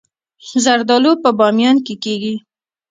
زردالو په بامیان کې کیږي